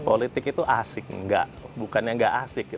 politik itu asik bukan yang tidak asik